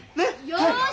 よし！